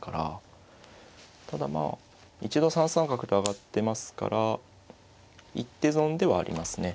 ただまあ一度３三角と上がってますから一手損ではありますね。